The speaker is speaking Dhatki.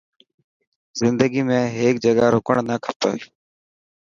زندگي ۾ هيڪ جڳهه رڪرڻ نه کپي.